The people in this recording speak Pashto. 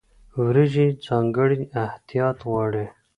وریجې ځانګړی احتیاط غواړي.